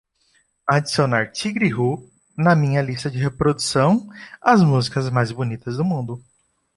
adicionar tigre hu na minha lista de reprodução As músicas mais bonitas do mundo